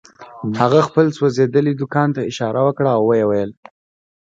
هغه خپل سوځېدلي دوکان ته اشاره وکړه او ويې ويل.